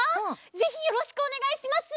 ぜひよろしくおねがいします！